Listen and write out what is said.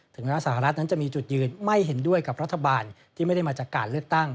ว่าสหรัฐนั้นจะมีจุดยืนไม่เห็นด้วยกับรัฐบาลที่ไม่ได้มาจากการเลือกตั้ง